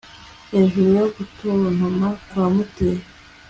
hejuru yo gutontoma kwa moteri